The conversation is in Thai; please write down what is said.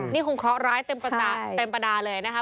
นี่คงเคราะหร้ายเต็มประดาเลยนะคะ